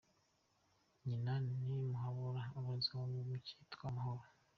Nyina ni Muhabura abarizwa mu ryitwa Amahoro.